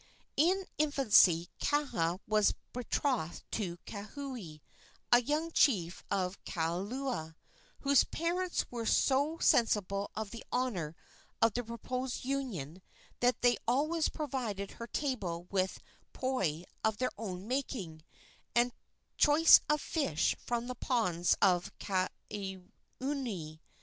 In infancy Kaha was betrothed to Kauhi, a young chief of Kailua, whose parents were so sensible of the honor of the proposed union that they always provided her table with poi of their own making and choice fish from the ponds of Kawainui.